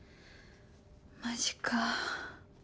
マジか。